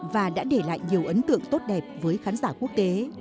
và đã để lại nhiều ấn tượng tốt đẹp với khán giả quốc tế